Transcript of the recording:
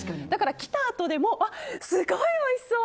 来たあとでもすごいおいしそう！